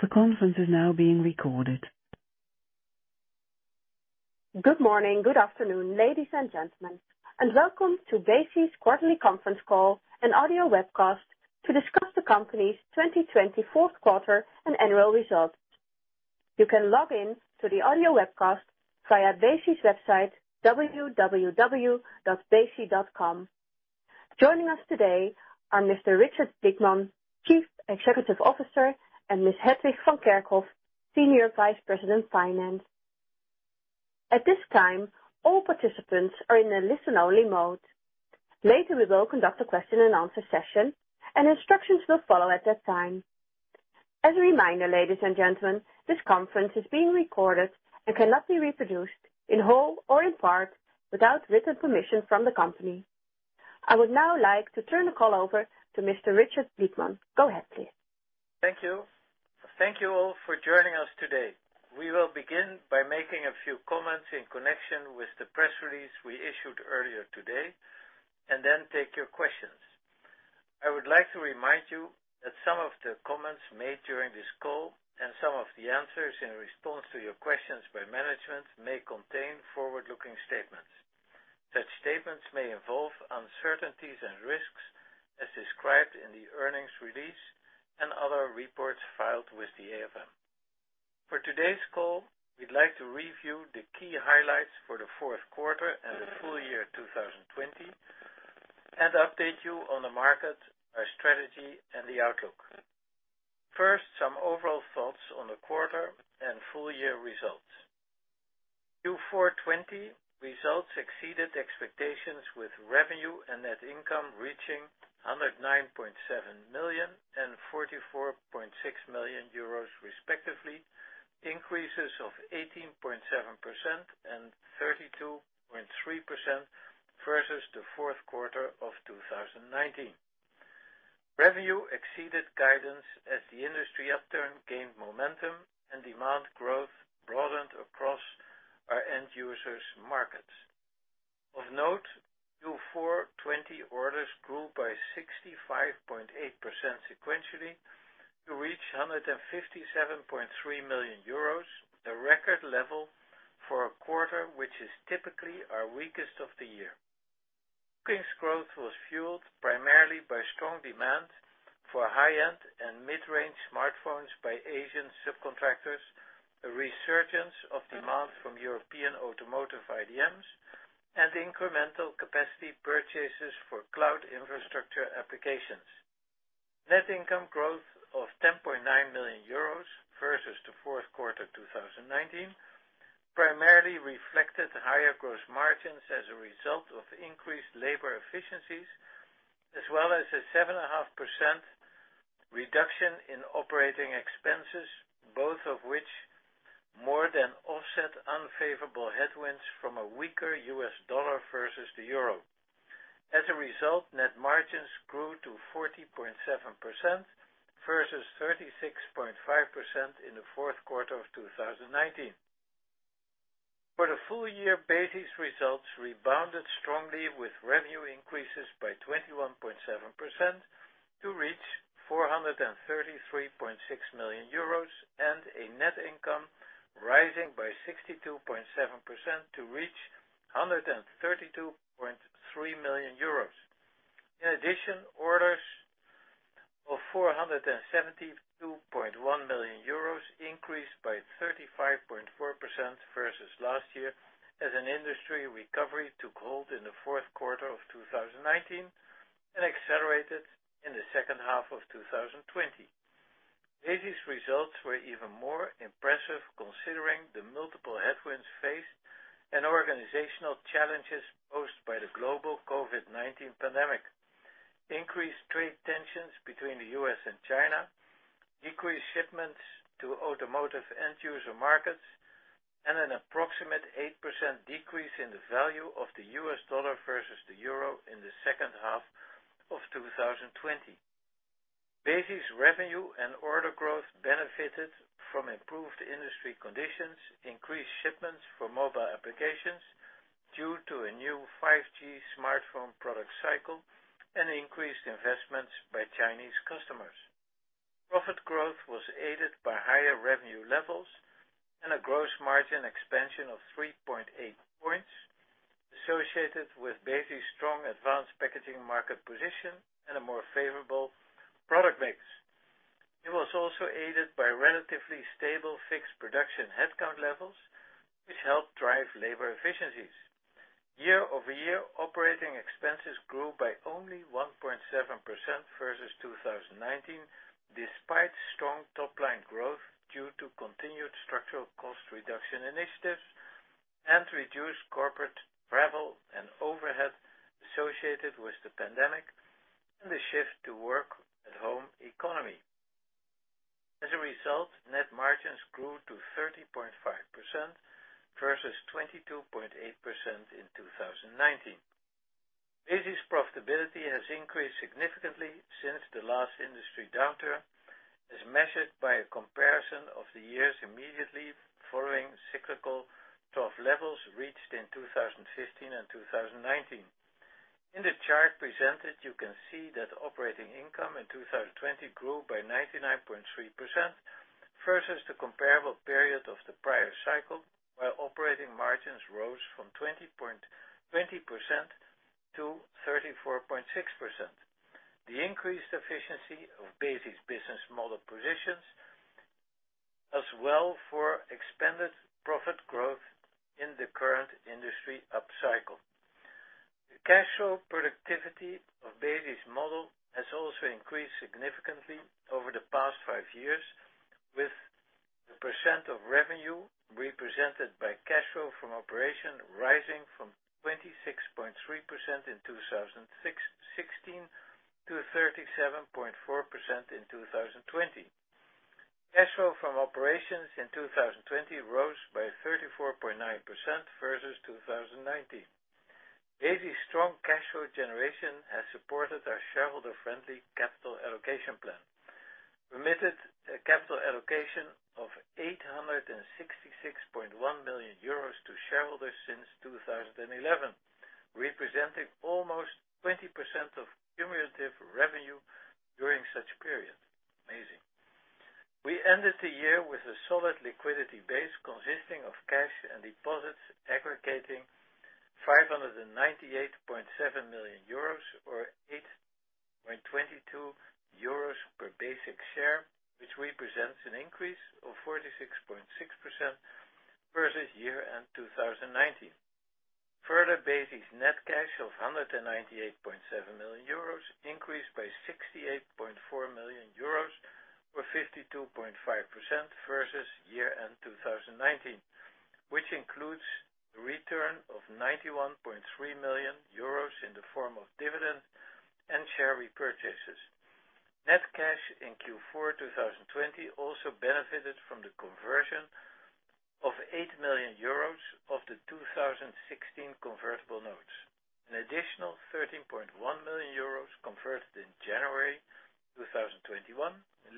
The conference is now being recorded. Good morning, good afternoon, ladies and gentlemen, welcome to Besi's quarterly conference call and audio webcast to discuss the company's 2020 fourth quarter and annual results. You can log in to the audio webcast via Besi's website, www.besi.com. Joining us today are Mr. Richard Blickman, Chief Executive Officer, and Ms. Hetwig van Kerkhof, Senior Vice President, Finance. At this time, all participants are in a listen-only mode. Later, we will conduct a question and answer session, and instructions will follow at that time. As a reminder, ladies and gentlemen, this conference is being recorded and cannot be reproduced in whole or in part without written permission from the company. I would now like to turn the call over to Mr. Richard Blickman. Go ahead, please. Thank you. Thank you all for joining us today. We will begin by making a few comments in connection with the press release we issued earlier today, and then take your questions. I would like to remind you that some of the comments made during this call, and some of the answers in response to your questions by management, may contain forward-looking statements. Such statements may involve uncertainties and risks as described in the earnings release and other reports filed with the AFM. For today's call, we'd like to review the key highlights for the fourth quarter and the full- year 2020, and update you on the market, our strategy, and the outlook. First, some overall thoughts on the quarter and full-year results. Q4 2020 results exceeded expectations, with revenue and net income reaching 109.7 million and 44.6 million euros respectively, increases of 18.7% and 32.3% versus the fourth quarter of 2019. Revenue exceeded guidance as the industry upturn gained momentum and demand growth broadened across our end users' markets. Of note, Q4 2020 orders grew by 65.8% sequentially to reach 157.3 million euros, the record level for a quarter which is typically our weakest of the year. Bookings growth was fueled primarily by strong demand for high-end and mid-range smartphones by Asian subcontractors, a resurgence of demand from European automotive IDMs, and incremental capacity purchases for cloud infrastructure applications. Net income growth of 10.9 million euros versus the fourth quarter 2019 primarily reflected higher gross margins as a result of increased labor efficiencies, as well as a 7.5% reduction in operating expenses, both of which more than offset unfavorable headwinds from a weaker U.S. dollar versus the euro. As a result, net margins grew to 40.7% versus 36.5% in the fourth quarter of 2019. For the full- year, Besi's results rebounded strongly with revenue increases by 21.7% to reach 433.6 million euros and a net income rising by 62.7% to reach 132.3 million euros. In addition, orders of 472.1 million euros increased by 35.4% versus last year as an industry recovery took hold in the fourth quarter of 2019 and accelerated in the second half of 2020. Besi's results were even more impressive considering the multiple headwinds faced and organizational challenges posed by the global COVID-19 pandemic, increased trade tensions between the U.S. and China, decreased shipments to automotive end-user markets, and an approximate 8% decrease in the value of the U.S. dollar versus the euro in the second half of 2020. Besi's revenue and order growth benefited from improved industry conditions, increased shipments for mobile applications due to a new 5G smartphone product cycle, and increased investments by Chinese customers. Profit growth was aided by higher revenue levels and a gross margin expansion of 3.8 points associated with Besi's strong advanced packaging market position and a more favorable product mix. It was also aided by relatively stable fixed production headcount levels, which helped drive labor efficiencies. Year-over-year operating expenses grew by only 1.7% versus 2019, despite strong top-line growth due to continued structural cost reduction initiatives and reduced corporate travel and overhead associated with the pandemic and the shift to work-at-home economy. As a result, net margins grew to 30.5% versus 22.8% in 2019. Besi's profitability has increased significantly since the last industry downturn, as measured by a comparison of the years immediately following cyclical trough levels reached in 2015 and 2019. In the chart presented, you can see that operating income in 2020 grew by 99.3%, versus the comparable period of the prior cycle, while operating margins rose from 20% to 34.6%. The increased efficiency of Besi's business model positions, as well for expanded profit growth in the current industry upcycle. The cash flow productivity of Besi's model has also increased significantly over the past five years, with the % of revenue represented by cash flow from operation rising from 26.3% in 2016 to 37.4% in 2020. Cash flow from operations in 2020 rose by 34.9% versus 2019. Besi's strong cash flow generation has supported our shareholder-friendly capital allocation plan. We emitted a capital allocation of 866.1 million euros to shareholders since 2011, representing almost 20% of cumulative revenue during such period. Amazing. We ended the year with a solid liquidity base consisting of cash and deposits aggregating 598.7 million euros, or 8.22 euros per basic share, which represents an increase of 46.6% versus year-end 2019. Further, Besi's net cash of 198.7 million euros increased by 68.4 million euros, or 52.5%, versus year-end 2019, which includes return of 91.3 million euros in the form of dividends and share repurchases. Net cash in Q4 2020 also benefited from the conversion of 8 million euros of the 2016 convertible notes. An additional 13.1 million euros converted in January 2021,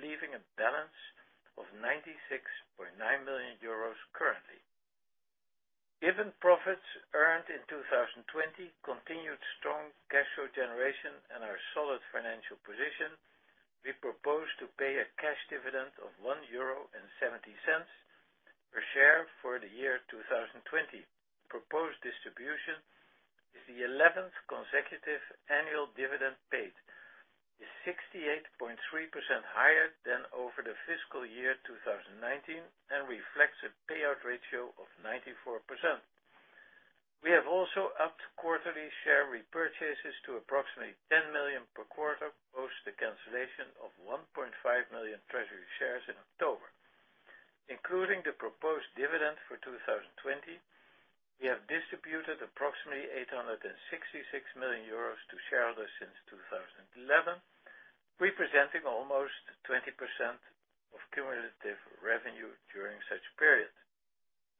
leaving a balance of 96.9 million euros currently. Given profits earned in 2020, continued strong cash flow generation, and our solid financial position, we propose to pay a cash dividend of 1.70 euro per share for the year 2020. Proposed distribution is the 11th consecutive annual dividend paid, is 68.3% higher than over the fiscal year 2019, and reflects a payout ratio of 94%. We have also upped quarterly share repurchases to approximately 10 million per quarter, post the cancellation of 1.5 million treasury shares in October. Including the proposed dividend for 2020, we have distributed approximately 866 million euros to shareholders since 2011, representing almost 20% of cumulative revenue during such period.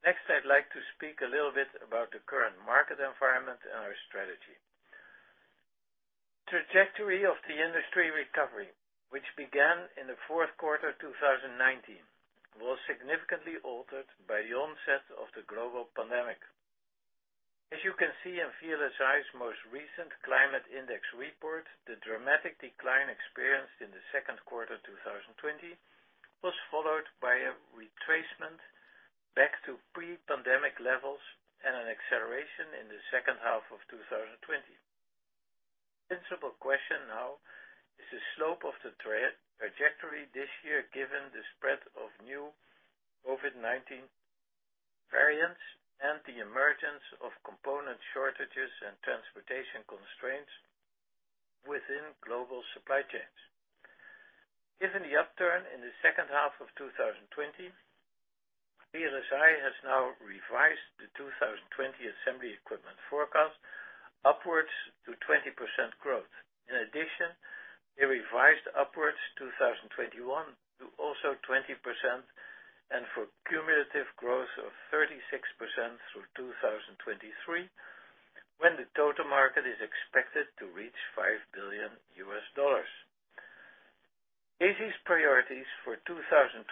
Next, I'd like to speak a little bit about the current market environment and our strategy. Trajectory of the industry recovery, which began in the fourth quarter 2019, was significantly altered by the onset of the global pandemic. As you can see in VLSI's most recent Climate Index report, the dramatic decline experienced in the second quarter 2020 was followed by a retracement back to pre-pandemic levels and an acceleration in the second half of 2020. Principal question now is the slope of the trajectory this year given the spread of new COVID-19 variants and the emergence of component shortages and transportation constraints within global supply chains. Given the upturn in the second half of 2020, VLSI has now revised the 2020 assembly equipment forecast upwards to 20% growth. In addition, we revised upwards 2021 to also 20%, and for cumulative growth of 36% through 2023, when the total market is expected to reach $5 billion. Besi's priorities for 2020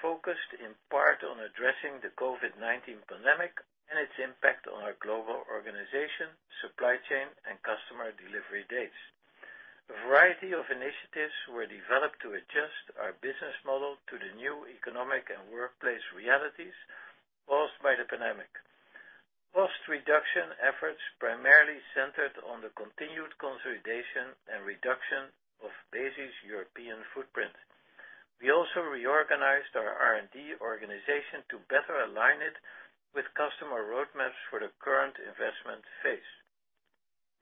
focused in part on addressing the COVID-19 pandemic and its impact on our global organization, supply chain, and customer delivery dates. A variety of initiatives were developed to adjust our business model to the new economic and workplace realities caused by the pandemic. Cost-reduction efforts primarily centered on the continued consolidation and reduction of Besi's European footprint. We also reorganized our R&D organization to better align it with customer roadmaps for the current investment phase.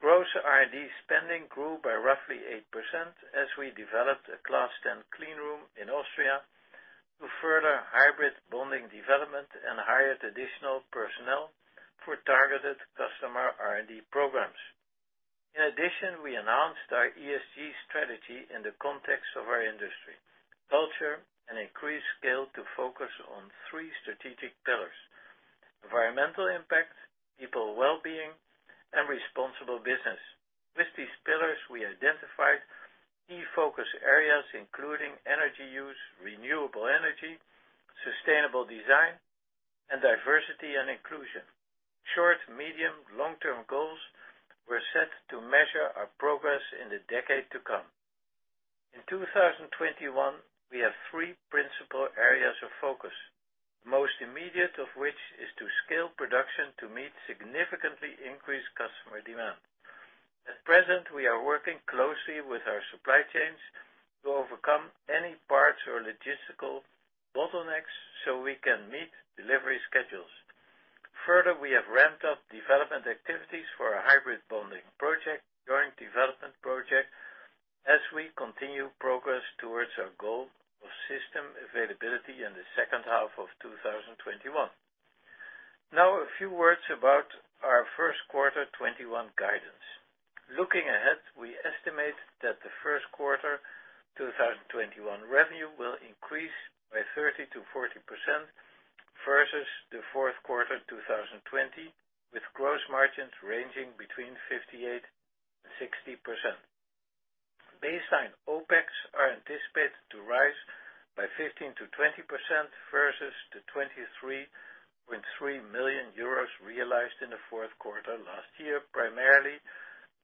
Gross R&D spending grew by roughly 8% as we developed a Class 10 clean room in Austria to further hybrid bonding development and hired additional personnel for targeted customer R&D programs. We announced our ESG strategy in the context of our industry, culture, and increased scale to focus on three strategic pillars: environmental impact, people well-being, and responsible business. With these pillars, we identified key focus areas, including energy use, renewable energy, sustainable design, and diversity and inclusion. Short, medium, long-term goals were set to measure our progress in the decade to come. In 2021, we have three principal areas of focus, most immediate of which is to scale production to meet significantly increased customer demand. At present, we are working closely with our supply chains to overcome any parts or logistical bottlenecks so we can meet delivery schedules. We have ramped up development activities for our hybrid bonding project, joint development project, as we continue progress towards our goal of system availability in the second half of 2021. A few words about our first quarter 2021 guidance. Looking ahead, we estimate that the first quarter 2021 revenue will increase by 30%-40% versus the fourth quarter 2020, with gross margins ranging between 58% and 60%. Baseline OPEX are anticipated to rise by 15%-20% versus the 23.3 million euros realized in the fourth quarter last year, primarily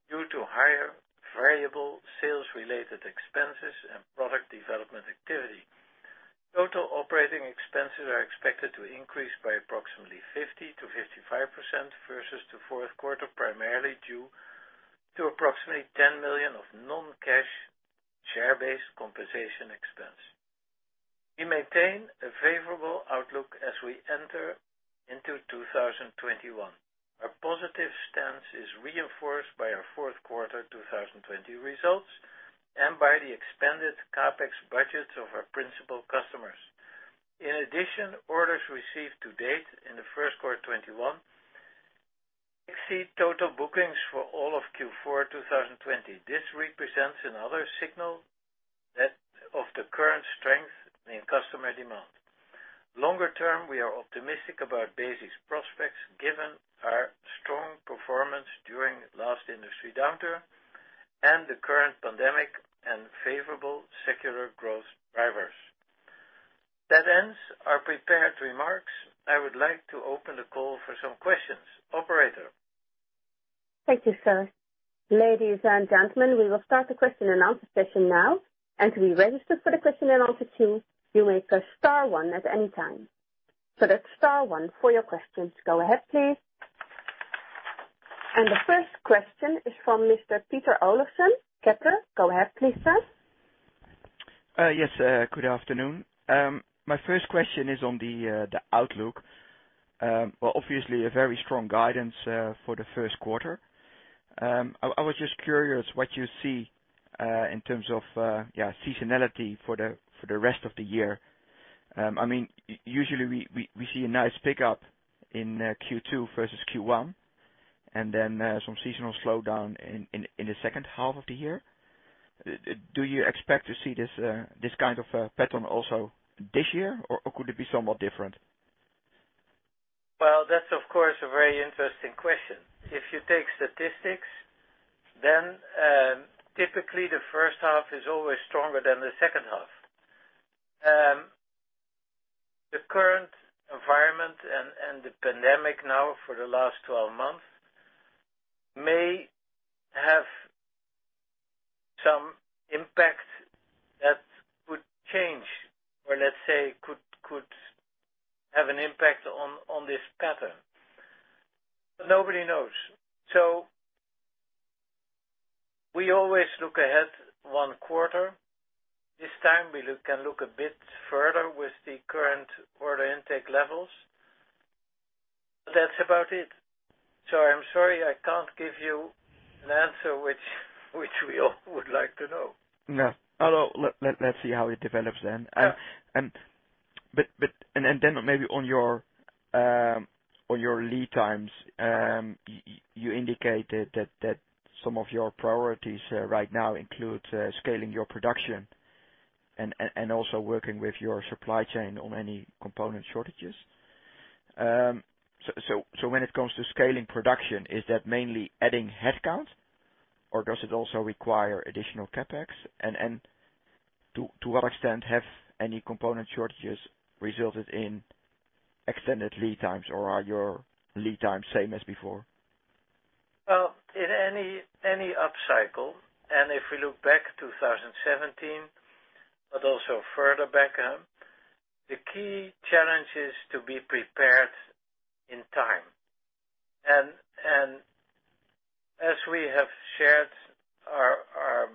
due to higher variable sales-related expenses and product development activity. Total operating expenses are expected to increase by approximately 50%-55% versus the fourth quarter, primarily due to approximately 10 million of non-cash share-based compensation expense. We maintain a favorable outlook as we enter into 2021. Our positive stance is reinforced by our fourth quarter 2020 results and by the expanded CapEx budgets of our principal customers. In addition, orders received to date in the first quarter 2021 exceed total bookings for all of Q4 2020. This represents another signal of the current strength in customer demand. Longer- term, we are optimistic about Besi's prospects given our strong performance during last industry downturn and the current pandemic and favorable secular growth drivers. That ends our prepared remarks. I would like to open the call for some questions. Operator. Thank you, sir. Ladies and gentlemen, we will start the question and answer session now. To be registered for the question and answer queue, you may press star 1 at any time. That's star 1 for your questions. Go ahead, please. The first question is from Mr. Peter Olofsen. Peter, go ahead, please, sir. Yes, good afternoon. My first question is on the outlook. Well, obviously, a very strong guidance for the first quarter. I was just curious what you see in terms of seasonality for the rest of the year. Usually, we see a nice pickup in Q2 versus Q1, and then some seasonal slowdown in the second half of the year. Do you expect to see this kind of pattern also this year, or could it be somewhat different? Well, that's of course a very interesting question. If you take statistics, typically the first half is always stronger than the second half. The current environment and the pandemic now for the last 12 months may have some impact that could change or let's say could have an impact on this pattern. Nobody knows. We always look ahead one quarter. This time we can look a bit further with the current order intake levels. That's about it. I'm sorry, I can't give you an answer which we all would like to know. Yeah. Let's see how it develops then. Yeah. Maybe on your lead times, you indicated that some of your priorities right now include scaling your production and also working with your supply chain on any component shortages. When it comes to scaling production, is that mainly adding headcount or does it also require additional CapEx? To what extent have any component shortages resulted in extended lead times, or are your lead times same as before? Well, in any upcycle, and if we look back 2017, but also further back, the key challenge is to be prepared in time. As we have shared, our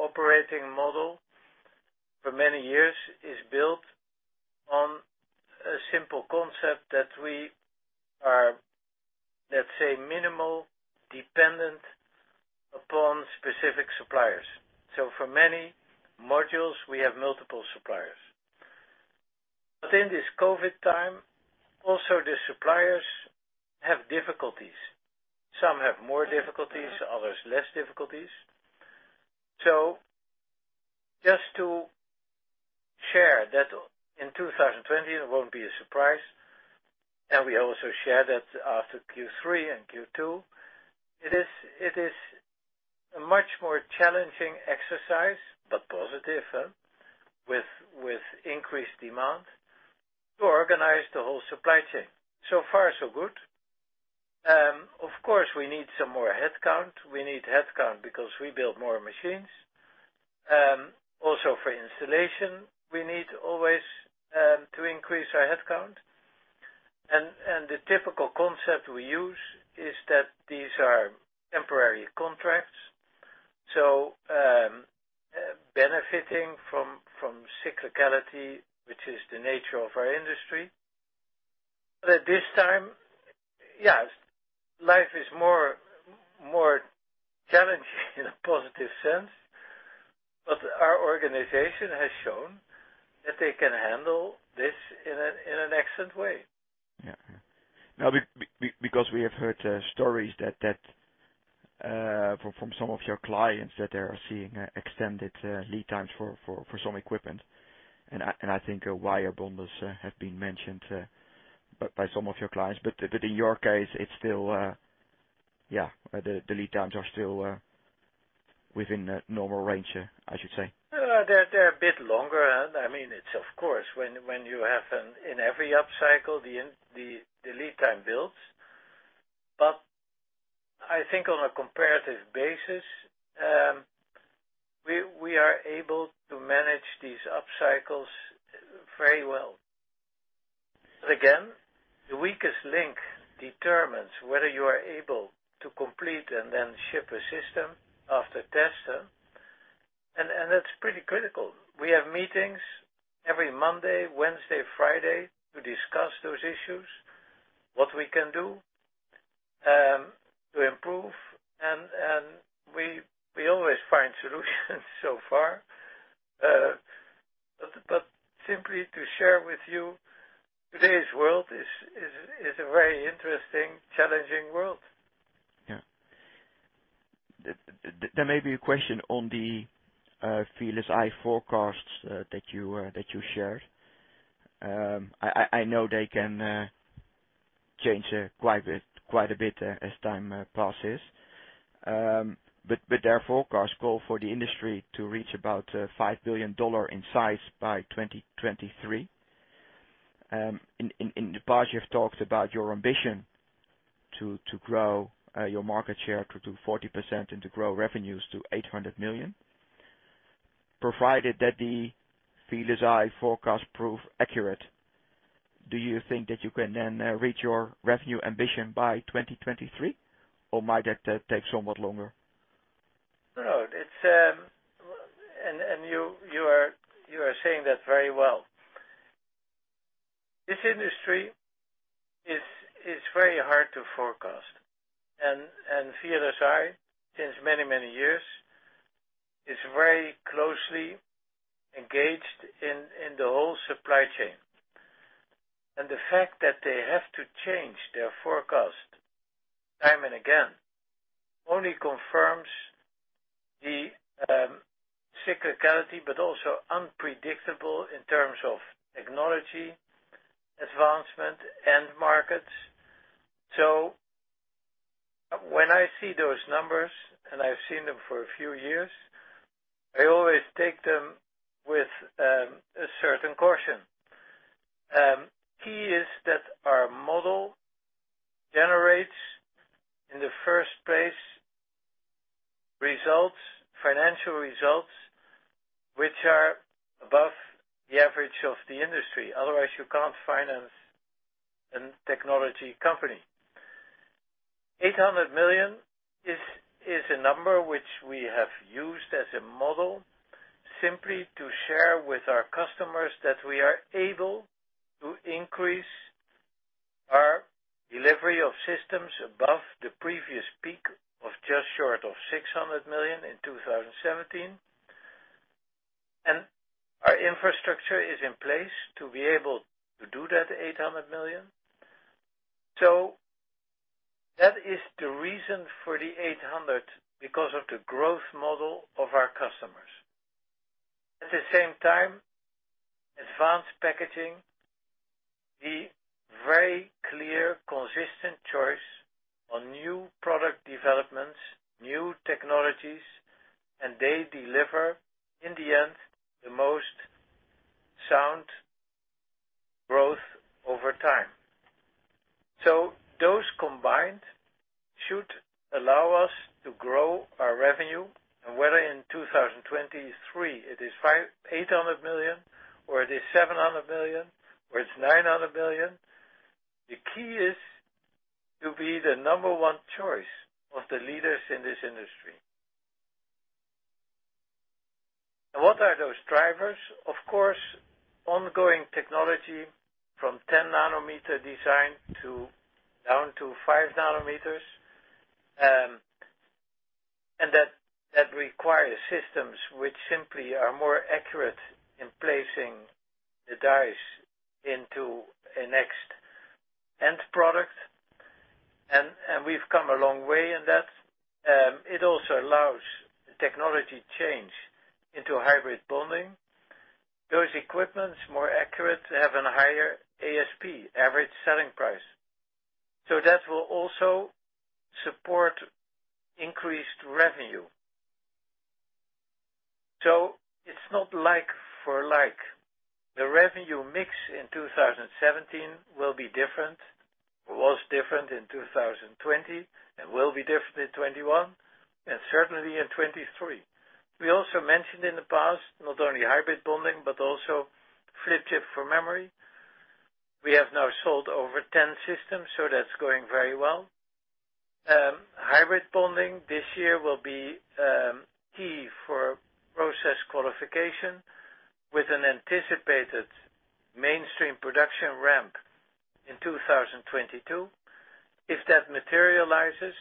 operating model for many years is built on a simple concept that we are, let's say, minimal dependent upon specific suppliers. For many modules, we have multiple suppliers. In this COVID time, also the suppliers have difficulties. Some have more difficulties, others less difficulties. Just to share that in 2020, it won't be a surprise, and we also share that after Q3 and Q2, it is a much more challenging exercise, but positive, with increased demand to organize the whole supply chain. Far, so good. Of course, we need some more headcount. We need headcount because we build more machines. For installation, we need always to increase our headcount. The typical concept we use is that these are temporary contracts. Benefiting from cyclicality, which is the nature of our industry. This time, life is more challenging in a positive sense. Our organization has shown that they can handle this in an excellent way. Yeah. We have heard stories from some of your clients that they are seeing extended lead times for some equipment, and I think wire bonders have been mentioned by some of your clients. In your case, the lead times are still within a normal range, I should say. They're a bit longer. It's of course, when you have in every upcycle, the lead time builds. I think on a comparative basis, we are able to manage these upcycles very well. Again, the weakest link determines whether you are able to complete and then ship a system after testing, and that's pretty critical. We have meetings every Monday, Wednesday, Friday to discuss those issues, what we can do to improve, and we always find solutions so far. Simply to share with you, today's world is a very interesting, challenging world. Yeah. There may be a question on the FSR forecasts that you shared. I know they can change quite a bit as time passes. Their forecast goal for the industry to reach about EUR 5 billion in size by 2023. In the past, you've talked about your ambition to grow your market share to 40% and to grow revenues to 800 million. Provided that the FSR forecast prove accurate, do you think that you can then reach your revenue ambition by 2023, or might that take somewhat longer? No. You are saying that very well. This industry is very hard to forecast, FSR, since many, many years, is very closely engaged in the whole supply chain. The fact that they have to change their forecast time and again only confirms the cyclicality, but also unpredictable in terms of technology advancement and markets. When I see those numbers, I've seen them for a few years, I always take them with a certain caution. Key is that our model generates, in the first place, financial results which are above the average of the industry. Otherwise, you can't finance a technology company. 800 million is a number which we have used as a model simply to share with our customers that we are able to increase our delivery of systems above the previous peak of just short of 600 million in 2017. Our infrastructure is in place to be able to do that 800 million. That is the reason for the 800, because of the growth model of our customers. At the same time, advanced packaging, the very clear, consistent choice on new product developments, new technologies, and they deliver, in the end, the most sound growth over time. Those combined should allow us to grow our revenue, and whether in 2023 it is 800 million or it is 700 million, or it is 900 million, the key is to be the number one choice of the leaders in this industry. What are those drivers? Of course, ongoing technology from 10 nanometer design down to 5 nanometers. That requires systems which simply are more accurate in placing the dice into a next end product, and we've come a long way in that. It also allows technology change into hybrid bonding. Those equipments, more accurate, have an higher ASP, average selling price. That will also support increased revenue. It's not like for like. The revenue mix in 2017 will be different, was different in 2020, will be different in 2021, certainly in 2023. We also mentioned in the past, not only hybrid bonding, but also flip-chip for memory. We have now sold over 10 systems, that's going very well. Hybrid bonding this year will be key for process qualification with an anticipated mainstream production ramp in 2022. If that materializes,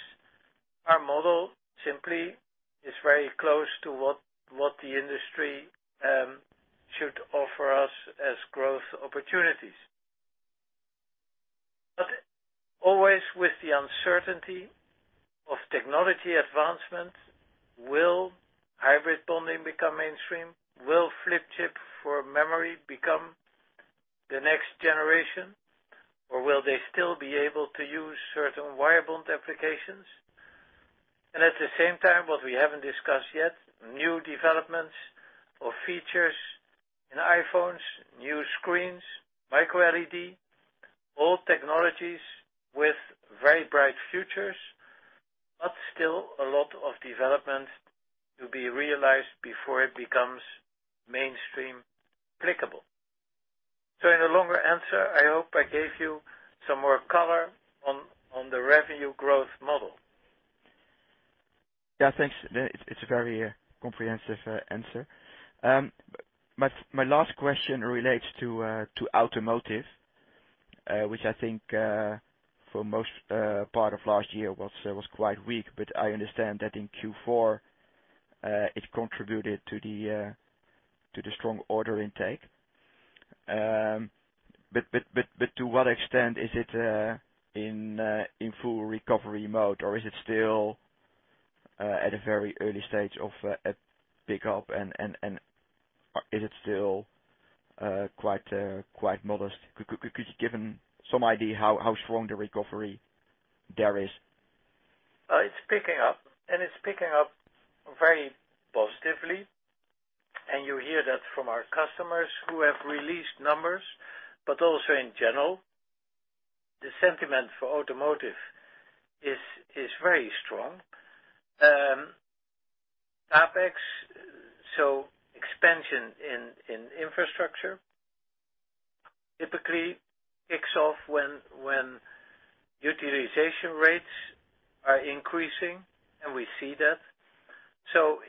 our model simply is very close to what the industry should offer us as growth opportunities. Always with the uncertainty of technology advancement, will hybrid bonding become mainstream? Will flip-chip for memory become the next generation? Will they still be able to use certain wire bond applications? At the same time, what we haven't discussed yet, new developments or features in iPhones, new screens, MicroLED, all technologies with very bright futures, but still a lot of development to be realized before it becomes mainstream applicable. In a longer answer, I hope I gave you some more color on the revenue growth model. Yeah, thanks. It's a very comprehensive answer. My last question relates to automotive, which I think for most part of last year was quite weak, but I understand that in Q4, it contributed to the strong order intake. To what extent is it in full recovery mode, or is it still at a very early stage of a pickup and is it still quite modest? Could you give some idea how strong the recovery there is? It's picking up, and it's picking up very positively. You hear that from our customers who have released numbers, but also in general, the sentiment for automotive is very strong. CapEx, so expansion in infrastructure, typically kicks off when utilization rates are increasing, and we see that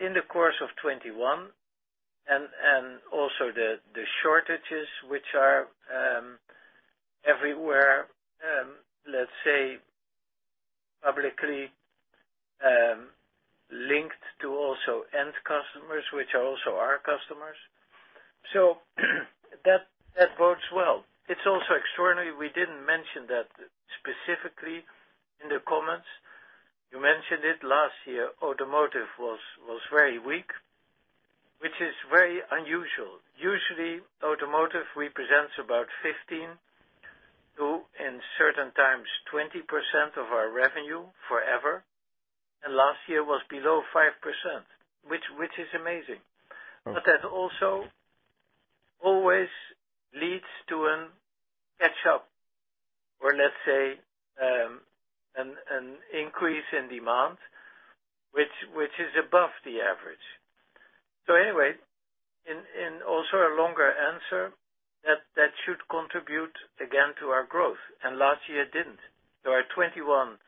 in the course of 2021 and also the shortages which are everywhere, let's say, publicly linked to also end customers, which are also our customers. That bodes well. It's also extraordinary, we didn't mention that specifically in the comments. You mentioned it, last year, automotive was very weak, which is very unusual. Usually, automotive represents about 15% to, in certain times, 20% of our revenue forever, and last year was below 5%, which is amazing. That also always leads to a catch-up, or let's say, an increase in demand which is above the average. Anyway, in also a longer answer, that should contribute again to our growth, and last year it didn't. Our 21%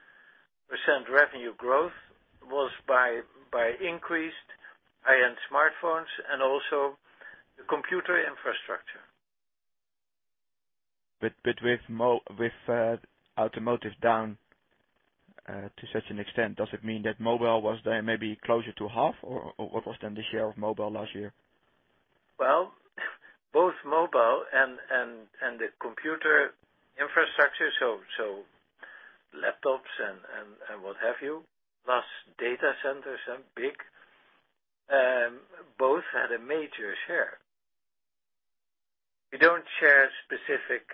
revenue growth was by increased high-end smartphones and also the computer infrastructure. With automotive down to such an extent, does it mean that mobile was then maybe closer to half, or what was then the share of mobile last year? Well, both mobile and the computer infrastructure, so laptops and what have you, plus data centers, big, both had a major share. We don't share specific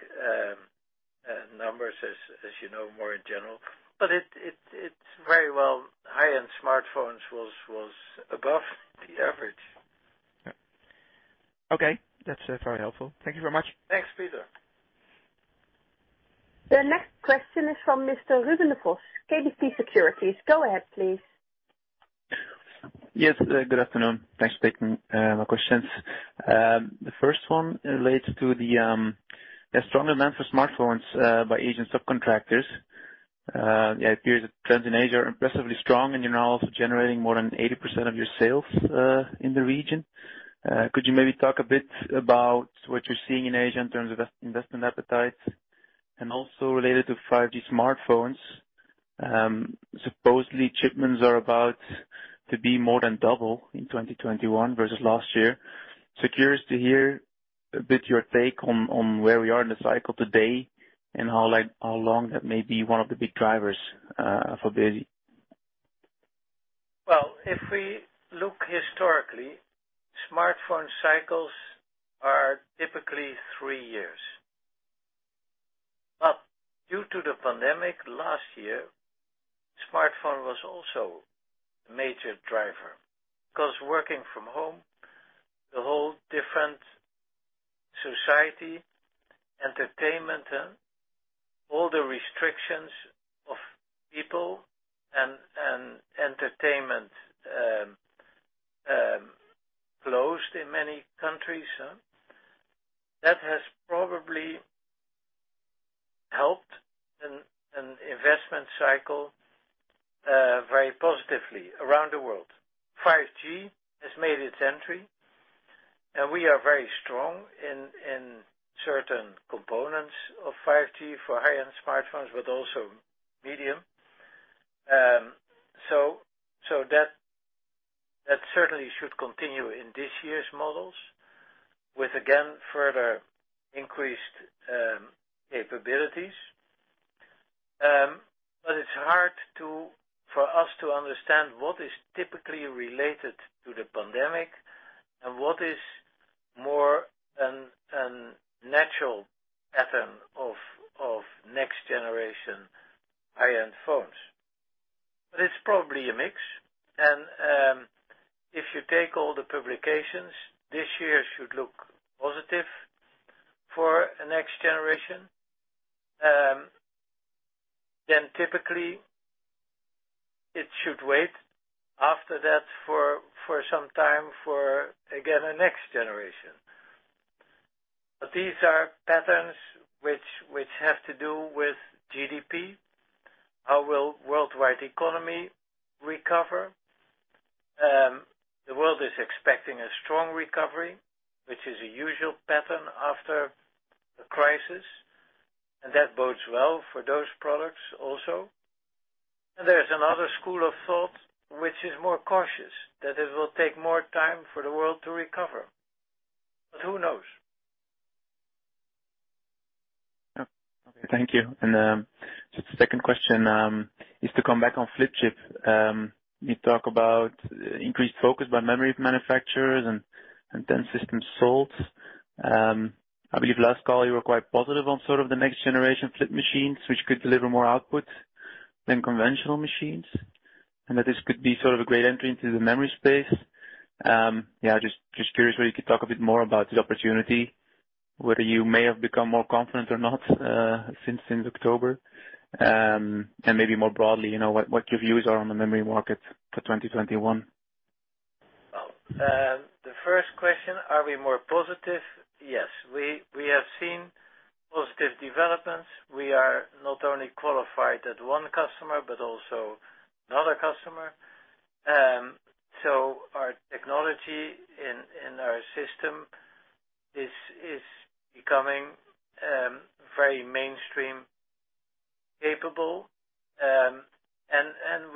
numbers as you know, more in general. It's very well, high-end smartphones was above the average. Okay. That's very helpful. Thank you very much. Thanks, Peter. The next question is from Mr. Ruben Vos, KBC Securities. Go ahead, please. Yes, good afternoon. Thanks for taking my questions. The first one relates to the strong demand for smartphones by Asian subcontractors. It appears that trends in Asia are impressively strong, and you're now also generating more than 80% of your sales in the region. Could you maybe talk a bit about what you're seeing in Asia in terms of investment appetite, and also related to 5G smartphones? Supposedly, shipments are about to be more than double in 2021 versus last year. Curious to hear a bit your take on where we are in the cycle today and how long that may be one of the big drivers for business. Well, if we look historically, smartphone cycles are typically three years. Due to the pandemic last year, smartphone was also a major driver because working from home, the whole different society, entertainment, and all the restrictions of people and entertainment closed in many countries. That has probably helped an investment cycle very positively around the world. 5G has made its entry, and we are very strong in certain components of 5G for high-end smartphones, but also medium. That certainly should continue in this year's models, with again, further increased capabilities. It's hard for us to understand what is typically related to the pandemic and what is more a natural pattern of next-generation high-end phones. It's probably a mix, and if you take all the publications, this year should look positive for a next generation. Typically, it should wait after that for some time for, again, a next generation. These are patterns which have to do with GDP. How will worldwide economy recover? The world is expecting a strong recovery, which is a usual pattern after a crisis, and that bodes well for those products also. There's another school of thought which is more cautious, that it will take more time for the world to recover. Who knows? Okay. Thank you. Just the second question, is to come back on flip chip. You talk about increased focus by memory manufacturers and 10 system SoCs. I believe last call you were quite positive on sort of the next generation flip machines, which could deliver more output than conventional machines, and that this could be sort of a great entry into the memory space. Just curious whether you could talk a bit more about the opportunity, whether you may have become more confident or not, since October. Maybe more broadly, what your views are on the memory market for 2021. The first question, are we more positive? Yes, we have seen positive developments. We are not only qualified at one customer, but also another customer. Our technology in our system is becoming very mainstream capable.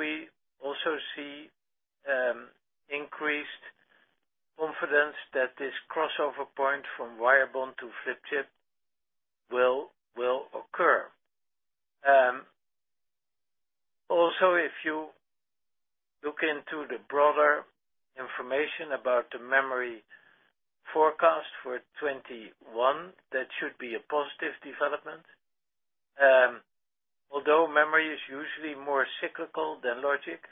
We also see increased confidence that this crossover point from wire bonding to flip chip will occur. If you look into the broader information about the memory forecast for 2021, that should be a positive development. Memory is usually more cyclical than logic,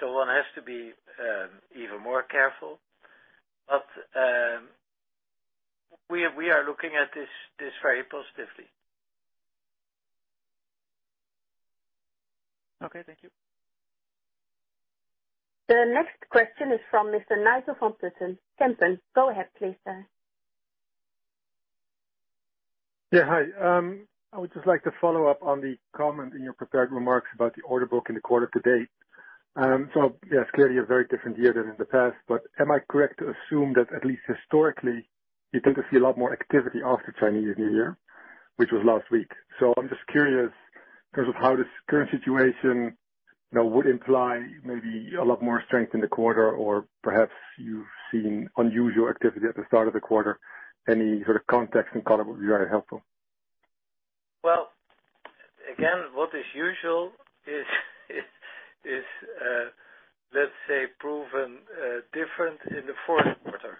so one has to be even more careful. We are looking at this very positively. Okay, thank you. The next question is from Mr. Nigel van Putten, Kempen. Go ahead, please, sir. Hi. I would just like to follow up on the comment in your prepared remarks about the order book in the quarter to date. It's clearly a very different year than in the past, but am I correct to assume that at least historically, you tend to see a lot more activity after Chinese New Year, which was last week. I'm just curious in terms of how this current situation would imply maybe a lot more strength in the quarter, or perhaps you've seen unusual activity at the start of the quarter. Any sort of context and color would be very helpful. Again, what is usual is let's say, proven different in the 4th quarter,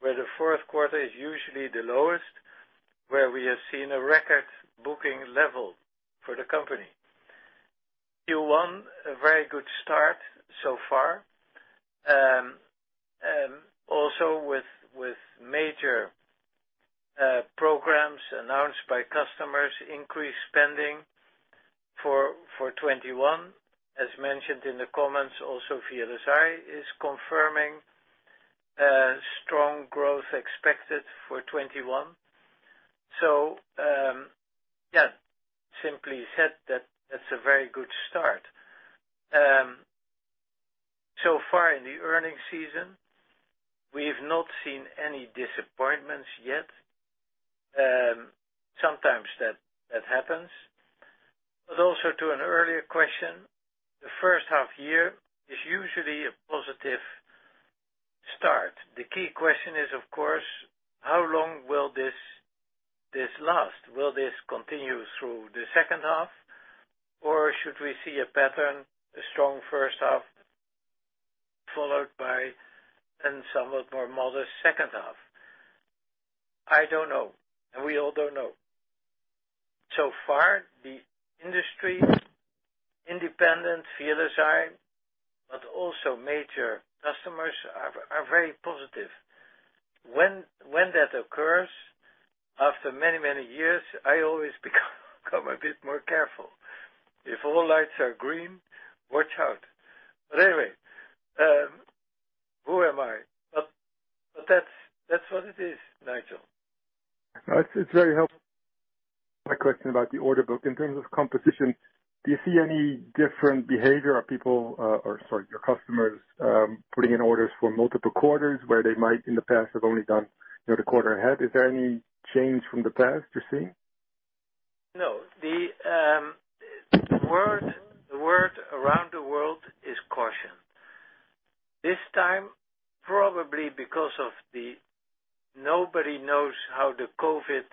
where the 4th quarter is usually the lowest, where we have seen a record booking level for the company. Q1, a very good start so far. Also with major programs announced by customers, increased spending for 2021. As mentioned in the comments, also Viavi is confirming strong growth expected for 2021. Yeah, simply said that it's a very good start. So far in the earnings season, we've not seen any disappointments yet. Sometimes that happens. Also to an earlier question, the first half year is usually. The key question is, of course, how long will this last? Will this continue through the second half, or should we see a pattern, a strong first half followed by then somewhat more modest second half? I don't know, and we all don't know. So far, the industry, independent field design, but also major customers are very positive. When that occurs, after many, many years, I always become a bit more careful. If all lights are green, watch out. Anyway, who am I? That's what it is, Nigel. No, it's very helpful. My question about the order book, in terms of composition, do you see any different behavior? Are people, or sorry, your customers, putting in orders for multiple quarters where they might in the past have only done the quarter ahead? Is there any change from the past you see? No. The word around the world is caution. This time, probably because of the, nobody knows how the COVID-19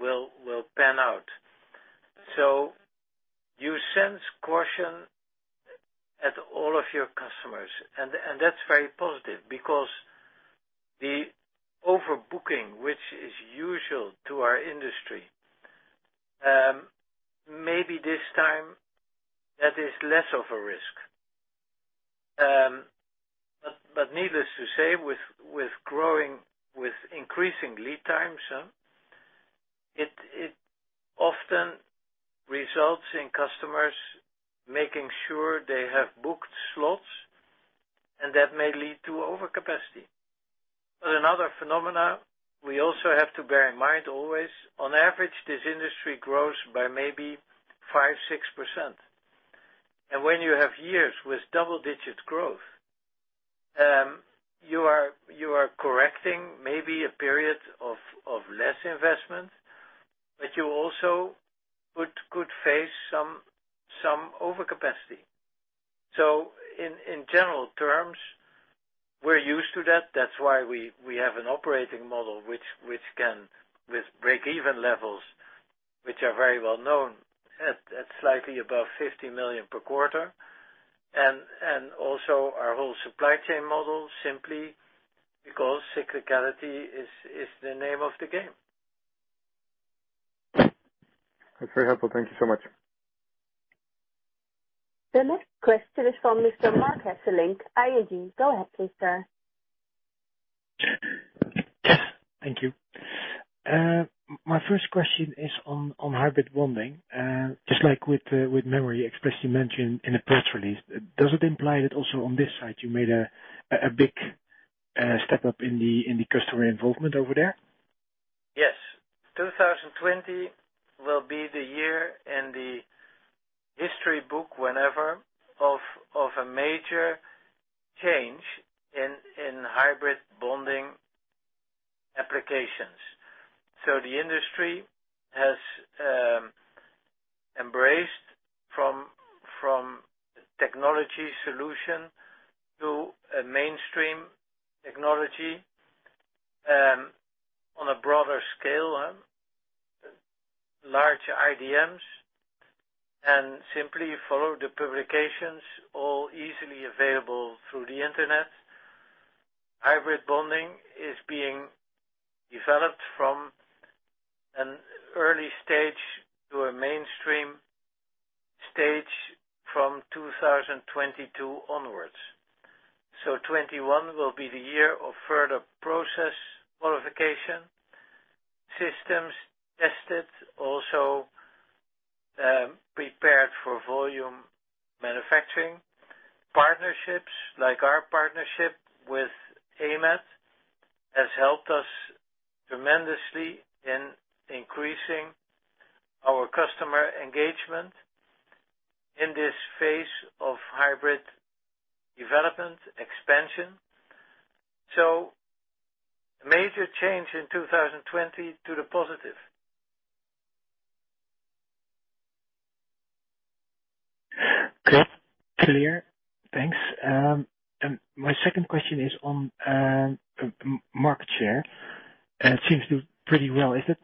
will pan out. You sense caution at all of your customers, and that's very positive because the overbooking, which is usual to our industry, maybe this time that is less of a risk. Needless to say, with increasing lead times, it often results in customers making sure they have booked slots, and that may lead to overcapacity. Another phenomena we also have to bear in mind always, on average, this industry grows by maybe 5%, 6%. When you have years with double-digit growth, you are correcting maybe a period of less investment, but you also could face some overcapacity. In general terms, we're used to that. That's why we have an operating model, with break-even levels, which are very well known at slightly above 50 million per quarter. Also our whole supply chain model, simply because cyclicality is the name of the game. That's very helpful. Thank you so much. The next question is from Mr. Marc Hesselink, ING. Go ahead, please, sir. Thank you. My first question is on hybrid bonding. Just like with memory, express you mentioned in a press release. Does it imply that also on this side, you made a big step up in the customer involvement over there? Yes. 2020 will be the year in the history book whenever of a major change in hybrid bonding applications. The industry has embraced from technology solution to a mainstream technology on a broader scale, large IDMs, and simply follow the publications all easily available through the internet. Hybrid bonding is being developed from an early stage to a mainstream stage from 2022 onwards. 2021 will be the year of further process qualification, systems tested, also prepared for volume manufacturing. Partnerships like our partnership with AMAT has helped us tremendously in increasing our customer engagement in this phase of hybrid development expansion. A major change in 2020 to the positive. Clear. Thanks. My second question is on market share. It seems to do pretty well. Is it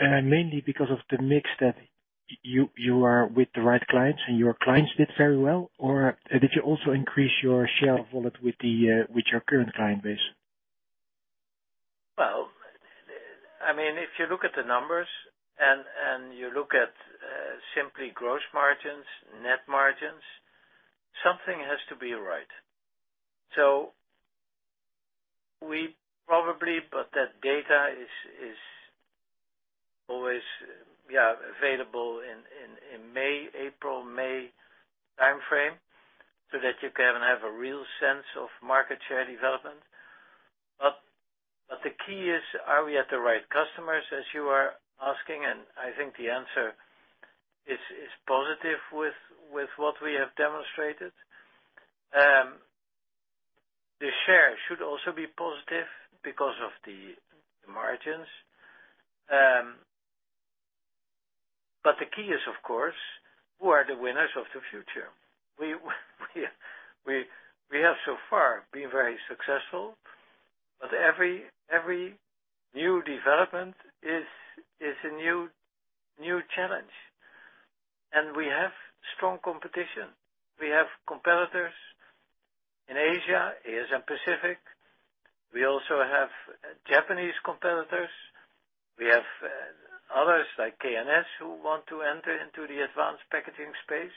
mainly because of the mix that you are with the right clients, and your clients did very well? Or did you also increase your share of wallet with your current client base? If you look at the numbers and you look at simply gross margins, net margins, something has to be right. We probably, but that data is always available in May, April, May timeframe so that you can have a real sense of market share development. The key is, are we at the right customers, as you are asking, and I think the answer is positive with what we have demonstrated. The share should also be positive because of the margins. But the key is, of course, who are the winners of the future? We have so far been very successful, but every new development is a new challenge. We have strong competition. We have competitors in Asia-Pacific. We also have Japanese competitors. We have others, like K&S, who want to enter into the advanced packaging space.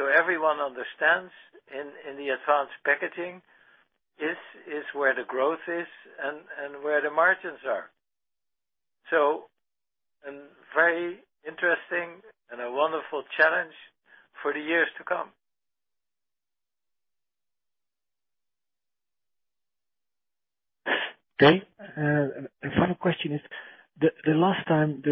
Everyone understands in the advanced packaging, this is where the growth is and where the margins are. A very interesting and a wonderful challenge for the years to come. Okay. Final question is, the last time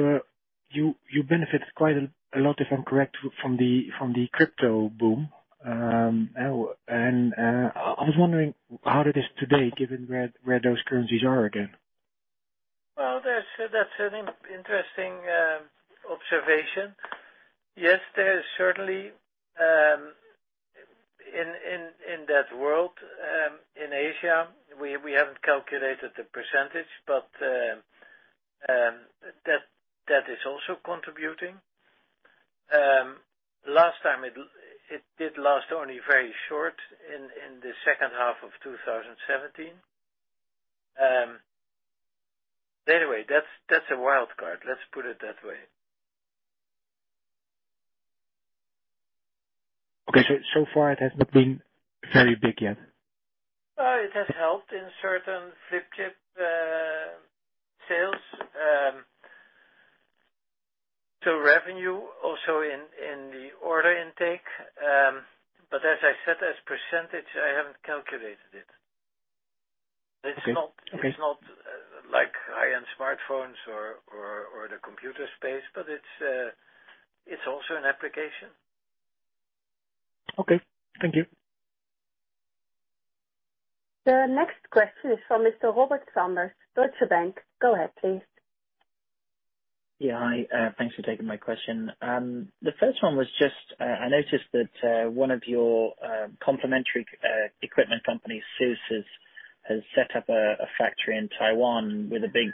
you benefited quite a lot, if I'm correct, from the crypto boom. I was wondering how it is today, given where those currencies are again. Well, that's an interesting observation. Yes, there is certainly, in that world, in Asia, we haven't calculated the percentage, but that is also contributing. Last time, it did last only very short in the second half of 2017. Anyway, that's a wild card, let's put it that way. Okay, so far it has not been very big yet. It has helped in certain flip chip sales. Revenue also in the order intake, but as I said, as percentage, I haven't calculated it. Okay. It's not like high-end smartphones or the computer space, but it's also an application. Okay. Thank you. The next question is from Mr. Robert Sanders, Deutsche Bank. Go ahead, please. Hi. Thanks for taking my question. The first one was just, I noticed that one of your complementary equipment companies, SÜSS, has set up a factory in Taiwan with a big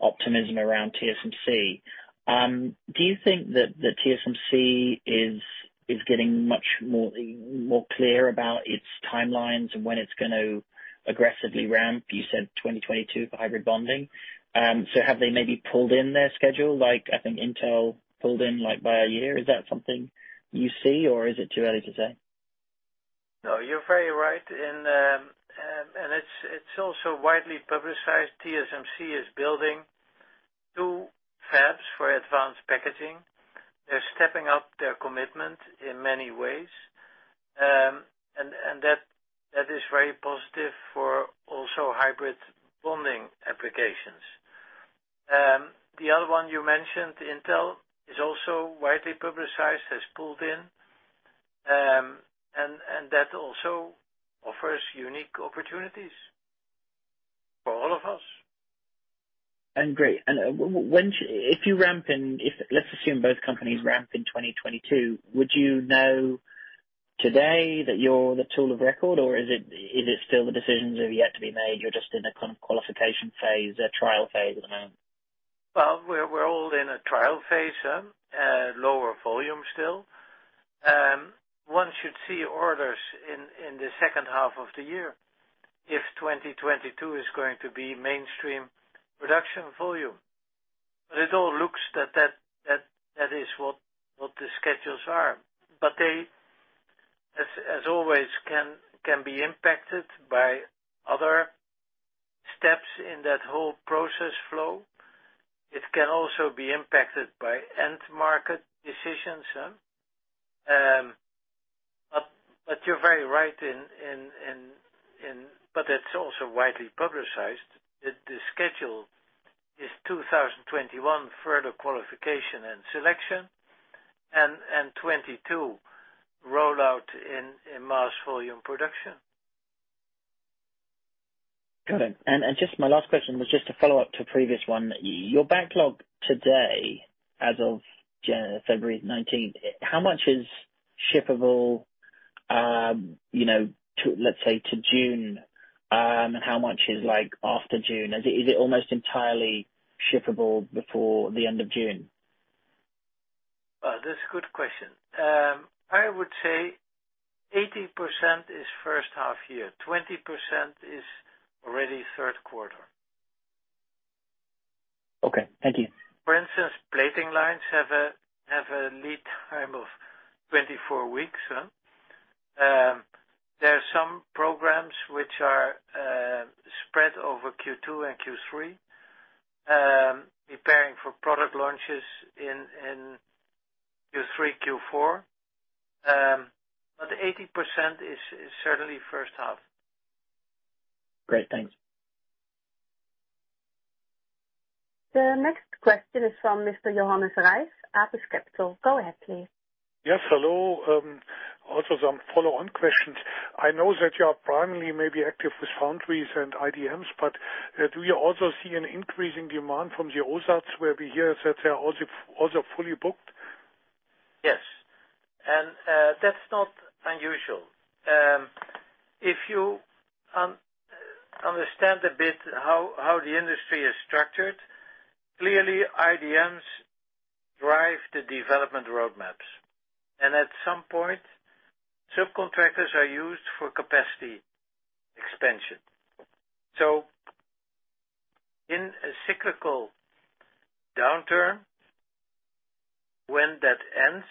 optimism around TSMC. Do you think that the TSMC is getting much more clear about its timelines and when it's going to aggressively ramp? You said 2022 for hybrid bonding. Have they maybe pulled in their schedule, like, I think Intel pulled in by a year? Is that something you see, or is it too early to say? No, you're very right. It's also widely publicized. TSMC is building two fabs for advanced packaging. They're stepping up their commitment in many ways. That is very positive for also hybrid bonding applications. The other one you mentioned, Intel, is also widely publicized, has pulled in, and that also offers unique opportunities for all of us. Great. Let's assume both companies ramp in 2022. Would you know today that you're the tool of record, or is it still the decisions are yet to be made? You're just in a kind of qualification phase, a trial phase at the moment? Well, we're all in a trial phase. Lower volume still. One should see orders in the second half of the year if 2022 is going to be mainstream production volume. It all looks that is what the schedules are. They, as always, can be impacted by other steps in that whole process flow. It can also be impacted by end market decisions. You're very right, but it's also widely publicized that the schedule is 2021, further qualification and selection, and 2022, rollout in mass volume production. Got it. Just my last question was just a follow-up to a previous one. Your backlog today, as of February 19th, how much is shippable, let's say, to June, and how much is after June? Is it almost entirely shippable before the end of June? That's a good question. I would say 80% is first half year, 20% is already third quarter. Okay. Thank you. Plating lines have a lead time of 24 weeks. There are some programs which are spread over Q2 and Q3, preparing for product launches in Q3, Q4. 80% is certainly first half. Great. Thanks. The next question is from Mr. Johannes Ries, Apus Capital. Go ahead, please. Yes, hello. Also some follow-on questions. I know that you are primarily maybe active with foundries and IDMs, but do you also see an increasing demand from the OSATs, where we hear that they are also fully booked? Yes, that's not unusual. If you understand a bit how the industry is structured, clearly, IDMs drive the development roadmaps, and at some point, subcontractors are used for capacity expansion. In a cyclical downturn, when that ends,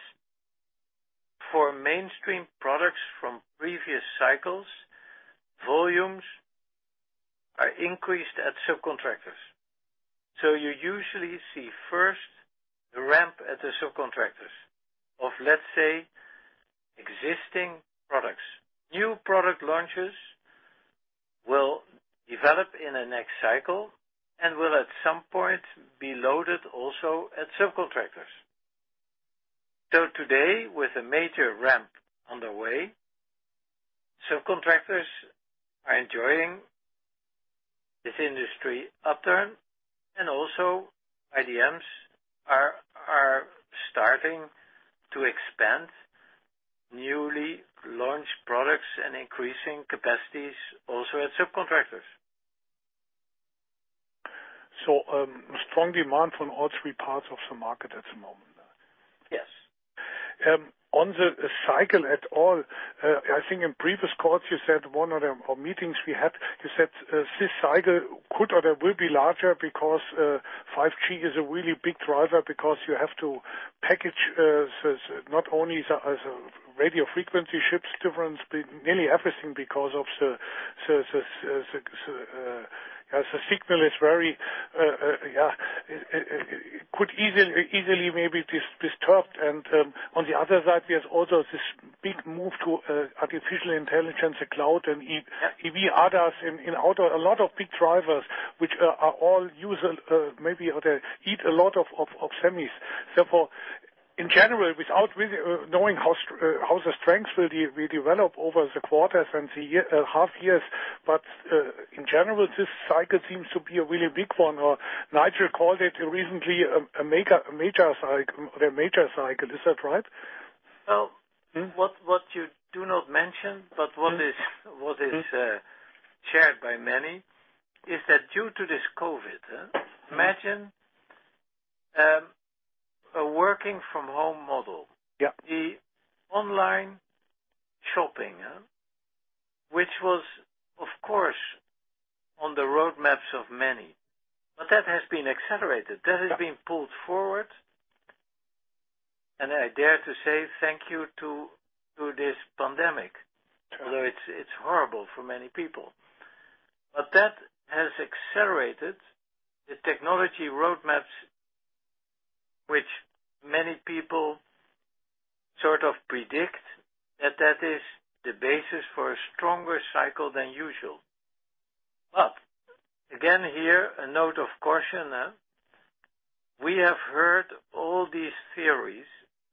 for mainstream products from previous cycles, volumes are increased at subcontractors. You usually see first the ramp at the subcontractors of, let's say, existing products. New product launches will develop in the next cycle and will, at some point, be loaded also at subcontractors. Today, with a major ramp underway, subcontractors are enjoying this industry upturn, and also IDMs are starting to expand newly launched products and increasing capacities also at subcontractors. A strong demand from all three parts of the market at the moment? Yes. On the cycle at all, I think in previous calls you said, one of the meetings we had, you said this cycle could or that will be larger because 5G is a really big driver, because you have to package not only the radio frequency chips different, but nearly everything because the signal could easily maybe be disturbed, and on the other side, there's also this big move to artificial intelligence, cloud, and EV ADAS, and a lot of big drivers which all eat a lot of semis. In general, without really knowing how the strength will develop over the quarters and the half years, but in general, this cycle seems to be a really big one, or Nigel called it recently a major cycle. Is that right? Well, what you do not mention, but what is shared by many, is that due to this COVID, imagine a working-from-home model. Yeah. The online shopping, which was, of course, on the roadmaps of many. That has been accelerated. That has been pulled forward, and I dare to say, thank you to this pandemic. Sure although it's horrible for many people. That has accelerated the technology roadmaps, which many people sort of predict that that is the basis for a stronger cycle than usual. Again, here, a note of caution. We have heard all these theories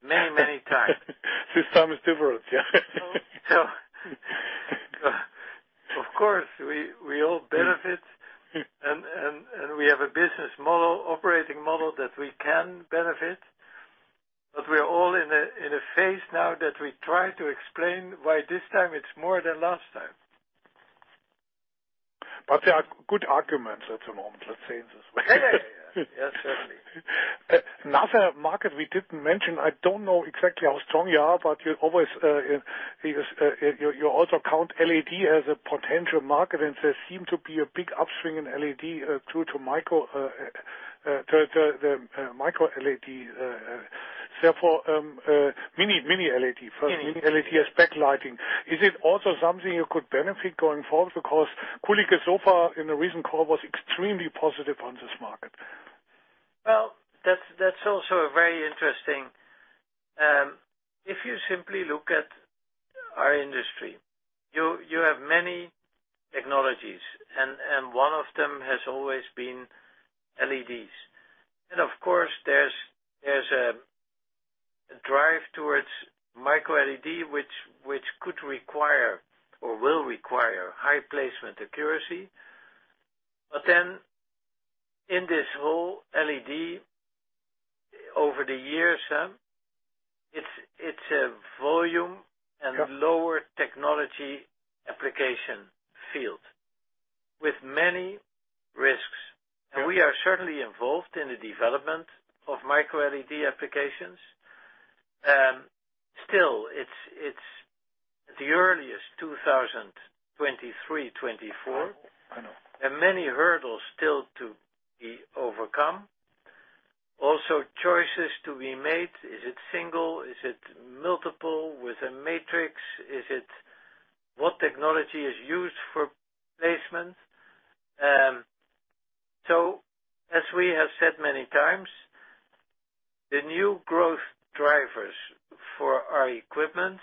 many, many times. This time is different, yeah. Of course, we all benefit, and we have a business model, operating model that we can benefit, but we are all in a phase now that we try to explain why this time it's more than last time. There are good arguments at the moment, let's say it this way. Yeah. Certainly. Another market we didn't mention, I don't know exactly how strong you are, but you also count LED as a potential market, there seem to be a big upswing in LED due to MicroLED. mini LED- Mini LED First Mini LED as backlighting. Is it also something you could benefit going forward? Because Kulicke & Soffa, in the recent call, was extremely positive on this market. That's also very interesting. If you simply look at our industry, you have many technologies, one of them has always been LEDs. Of course, there's a drive towards MicroLED, which could require or will require high placement accuracy. In this whole LED, over the years, it's a volume and lower technology application field with many risks. We are certainly involved in the development of MicroLED applications. Still, it's the earliest 2023, 2024. I know. There are many hurdles still to be overcome. Also, choices to be made. Is it single? Is it multiple with a matrix? What technology is used for placement? As we have said many times, the new growth drivers for our equipment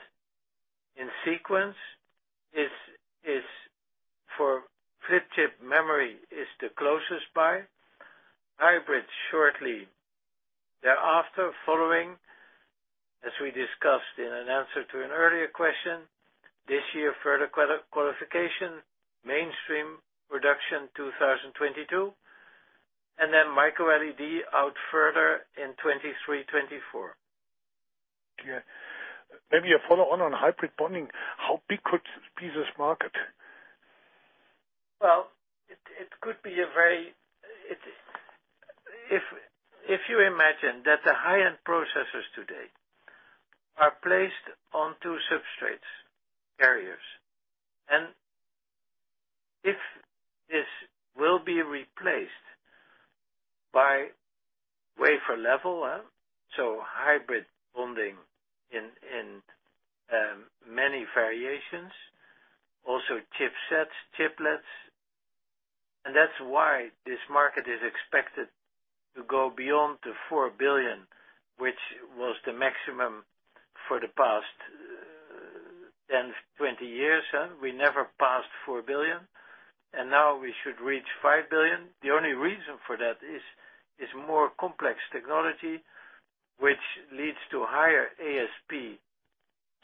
in sequence is. Memory is the closest by. Hybrid shortly thereafter, following, as we discussed in an answer to an earlier question, this year further qualification, mainstream production 2022, and then MicroLED out further in 2023, 2024. Yeah. Maybe a follow-on on hybrid bonding. How big could be this market? If you imagine that the high-end processors today are placed on 2 substrates, carriers, and if this will be replaced by wafer level, so hybrid bonding in many variations, also chiplets. That's why this market is expected to go beyond the 4 billion, which was the maximum for the past 10, 20 years. We never passed 4 billion, now we should reach 5 billion. The only reason for that is more complex technology, which leads to higher ASP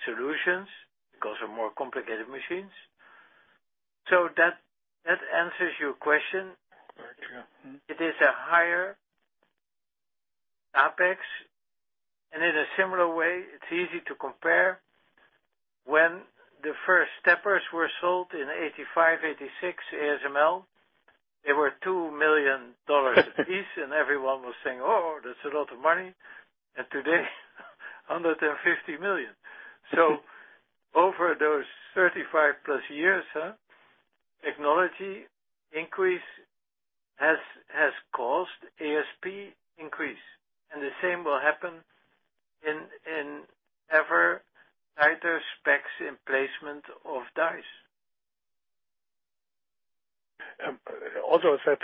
solutions because of more complicated machines. That answers your question. Very true. Mm-hmm. It is a higher OPEX. In a similar way, it's easy to compare when the first steppers were sold in 1985, 1986, ASML, they were EUR 2 million apiece, and everyone was saying, "Oh, that's a lot of money." Today, 150 million. Over those 35-plus years, technology increase has caused ASP increase. The same will happen in ever tighter specs in placement of dies. I said,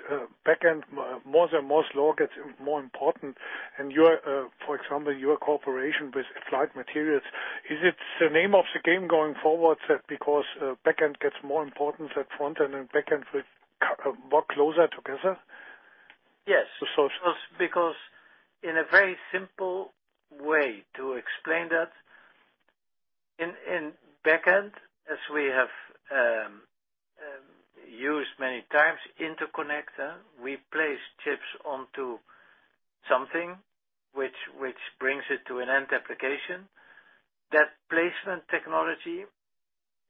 backend, more than more gets more important. For example, your cooperation with Applied Materials, is it the name of the game going forward, that because backend gets more important at frontend and backend work closer together? Yes. The socials. Because in a very simple way to explain that, in backend, as we have used many times, interconnect, we place chips onto something which brings it to an end application. That placement technology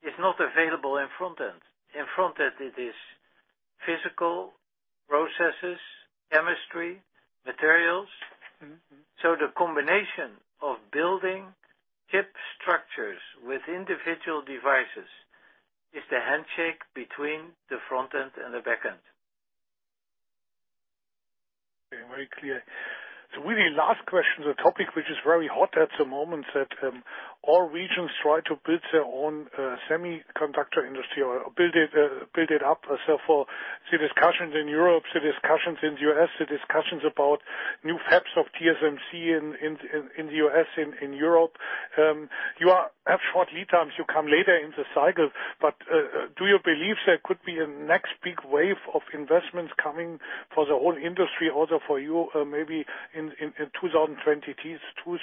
is not available in frontend. In frontend, it is physical processes, chemistry, materials. The combination of building chip structures with individual devices is the handshake between the frontend and the backend. Okay, very clear. Really last question, the topic which is very hot at the moment, that all regions try to build their own semiconductor industry or build it up. For the discussions in Europe, the discussions in the U.S., the discussions about new fabs of TSMC in the U.S. and in Europe. You have shortly times, you come later in the cycle, but do you believe there could be a next big wave of investments coming for the whole industry also for you, maybe in 2022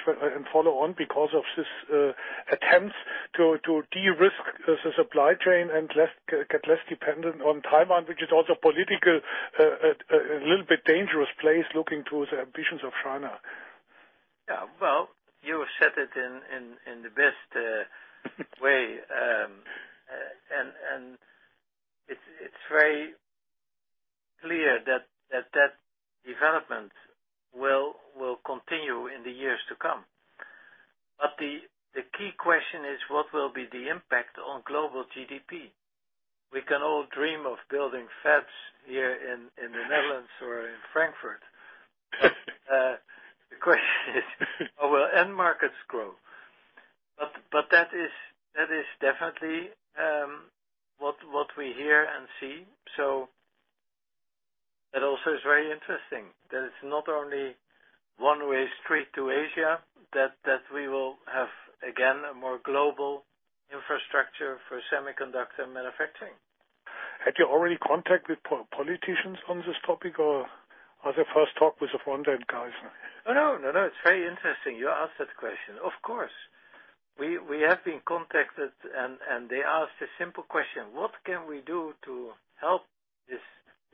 and follow on because of this attempts to de-risk the supply chain and get less dependent on Taiwan, which is also political, a little bit dangerous place looking to the ambitions of China? You have said it in the best way. It's very clear that that development will continue in the years to come. The key question is, what will be the impact on global GDP? We can all dream of building fabs here in the Netherlands or in Frankfurt. The question is, how will end markets grow? That is definitely what we hear and see. It also is very interesting that it's not only one-way street to Asia, that we will have, again, a more global infrastructure for semiconductor manufacturing. Had you already contact with politicians on this topic, or the first talk was with the frontend guys? Oh, no. It's very interesting you ask that question. Of course. We have been contacted, and they asked a simple question: What can we do to help this?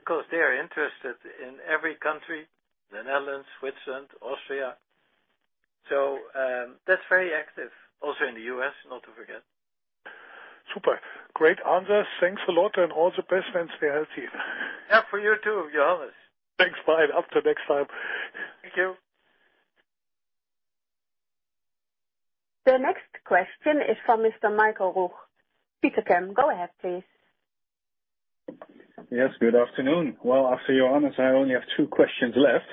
They are interested in every country, the Netherlands, Switzerland, Austria. That's very active, also in the U.S., not to forget. Super. Great answers. Thanks a lot, and all the best, and stay healthy. Yeah, for you, too, Johannes. Thanks, Maan. Up till next time. Thank you. The next question is from Mr. Michael Ruch. Stifel, go ahead, please. Yes, good afternoon. Well, after Johannes, I only have two questions left.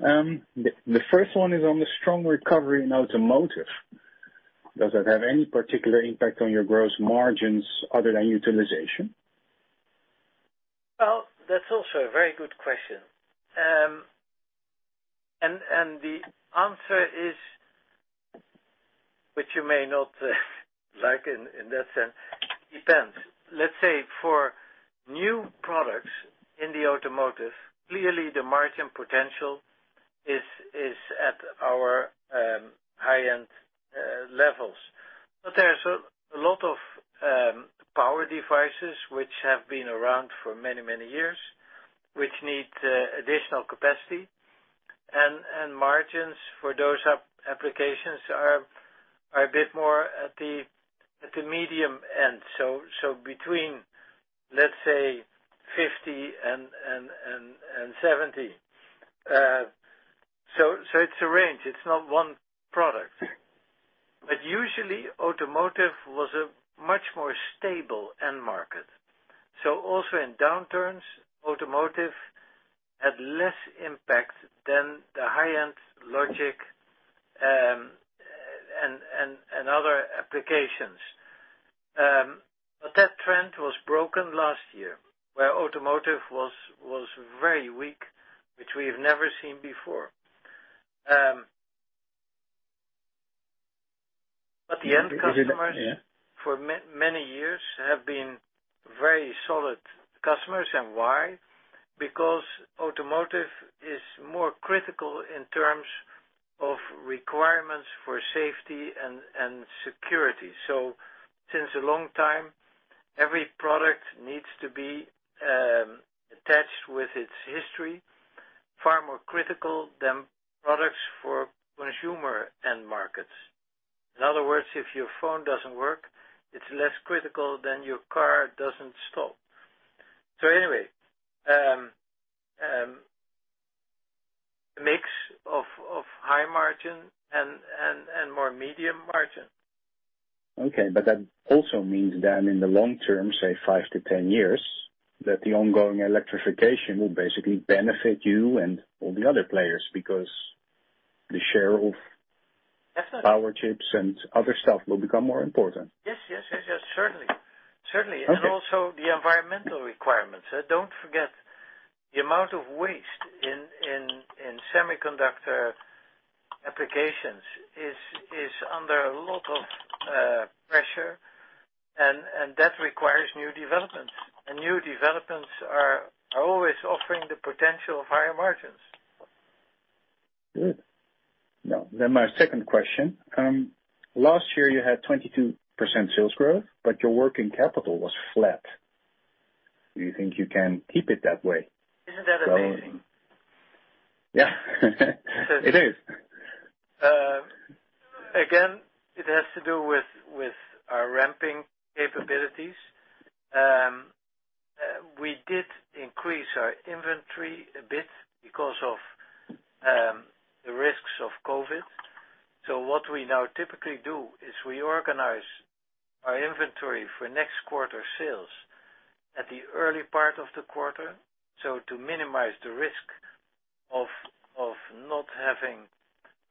The first one is on the strong recovery in automotive. Does that have any particular impact on your gross margins other than utilization? Well, that's also a very good question. The answer is you may not like it in that sense. It depends. Let's say, for new products in the automotive, clearly the margin potential is at our high-end levels. There's a lot of power devices which have been around for many years, which need additional capacity, and margins for those applications are a bit more at the medium end. Between, let's say, 50%-70%. It's a range. It's not one product. Usually, automotive was a much more stable end market. Also in downturns, automotive had less impact than the high-end logic and other applications. That trend was broken last year, where automotive was very weak, which we've never seen before. Yeah for many years have been very solid customers. Why? Because automotive is more critical in terms of requirements for safety and security. Since a long time, every product needs to be attached with its history, far more critical than products for consumer end markets. In other words, if your phone doesn't work, it's less critical than your car doesn't start. Anyway, a mix of high margin and more medium margin. Okay. That also means that in the long- term, say 5-10 years, that the ongoing electrification will basically benefit you and all the other players. Definitely power chips and other stuff will become more important. Yes, certainly. Also the environmental requirements. Don't forget, the amount of waste in semiconductor applications is under a lot of pressure, and that requires new developments. New developments are always offering the potential of higher margins. Good. My second question. Last year, you had 22% sales growth, but your working capital was flat. Do you think you can keep it that way? Isn't that amazing? Yeah. It is. Again, it has to do with our ramping capabilities. We did increase our inventory a bit because of the risks of COVID. What we now typically do is reorganize our inventory for next quarter sales at the early part of the quarter, so to minimize the risk of not having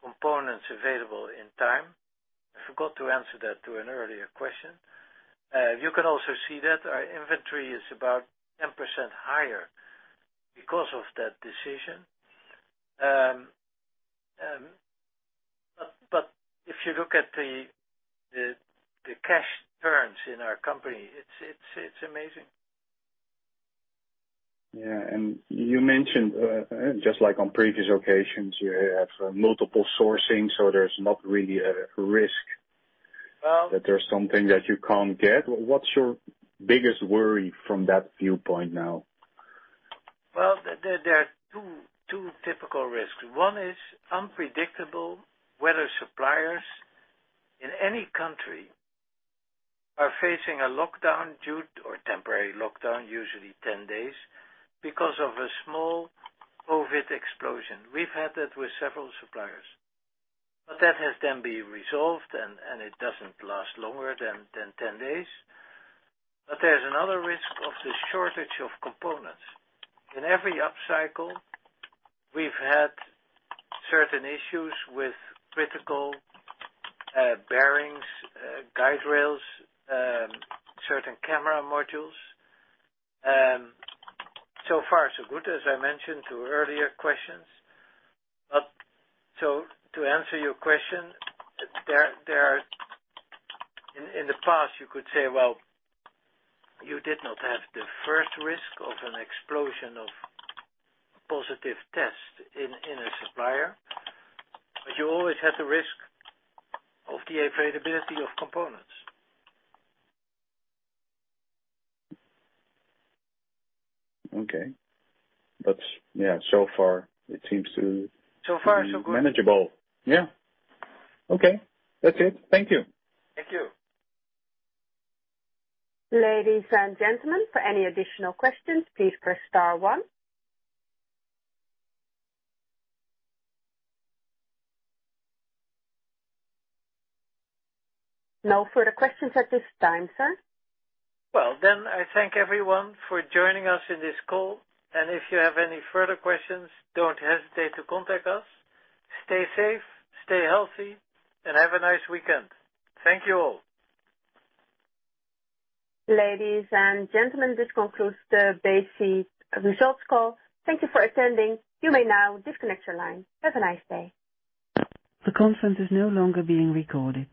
components available in time. I forgot to answer that to an earlier question. You can also see that our inventory is about 10% higher because of that decision. If you look at the cash turns in our company, it's amazing. Yeah. You mentioned, just like on previous occasions, you have multiple sourcing, so there's not really a risk- Well- that there's something that you can't get. What's your biggest worry from that viewpoint now? Well, there are two typical risks. One is unpredictable weather suppliers in any country are facing a lockdown or temporary lockdown, usually 10 days, because of a small COVID explosion. We've had that with several suppliers. That has then been resolved, and it doesn't last longer than 10 days. There's another risk of the shortage of components. In every upcycle, we've had certain issues with critical bearings, guide rails, certain camera modules. So far so good, as I mentioned to earlier questions. To answer your question, in the past, you could say, well, you did not have the first risk of an explosion of positive tests in a supplier, but you always had the risk of the availability of components. Okay. Yeah, so far. So far so good. be manageable. Yeah. Okay. That's it. Thank you. Thank you. Ladies and gentlemen, for any additional questions, please press star one. No further questions at this time, sir. Well, I thank everyone for joining us on this call, and if you have any further questions, don't hesitate to contact us. Stay safe, stay healthy, and have a nice weekend. Thank you all. Ladies and gentlemen, this concludes the Besi results call. Thank you for attending. You may now disconnect your line. Have a nice day. The conference is no longer being recorded.